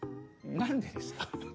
何でですか？